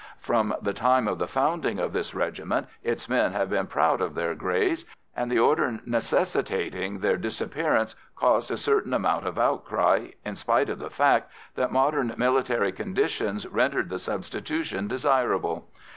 From the time of the founding of this regiment its men have been proud of their greys, and the order necessitating their disappearance caused a certain amount of outcry, in spite of the fact that modern military conditions rendered the substitution desirable.